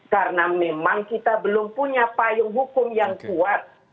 karena memang kita belum punya payung hukum yang kuat